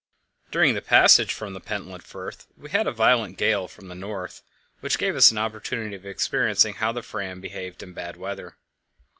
During the passage from the Pentland Firth we had a violent gale from the north, which gave us an opportunity of experiencing how the Fram behaved in bad weather.